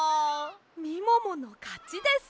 みもものかちです。